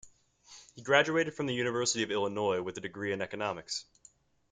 He graduated from the University of Illinois with a degree in Economics.